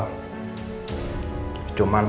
cuma sampai saat itu